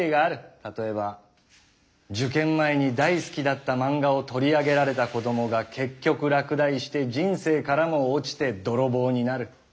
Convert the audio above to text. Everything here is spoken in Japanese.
例えば受験前に大好きだった漫画を取り上げられた子供が結局落第して人生からも落ちて泥棒になる。